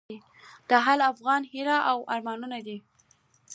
د هر افغان هیله او ارمان دی؛